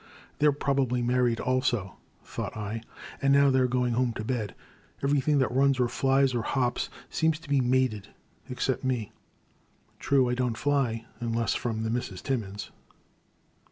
They *re probably married also," thought I, and now they *re going home to bed. Every thing that runs or flies or hops seems to be mated — except me. True, I don't fly — unless from the Misses Timmins.